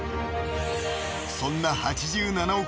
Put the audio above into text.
［そんな８７億